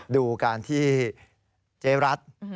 ดูการที่เจ๊รัฐ